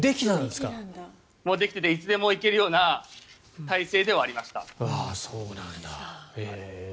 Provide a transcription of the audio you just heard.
もうできていていつでもいけるような態勢ではありました。